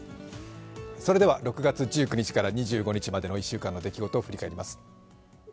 それでは６月１９日から２５日までの１週間の出来事を振り返ります。